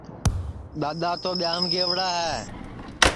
دؔادؔا تو ٻِہِیام گئوڑا ہے